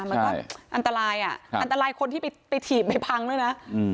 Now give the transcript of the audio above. มันก็อันตรายอ่ะอันตรายคนที่ไปถีบไปพังด้วยนะ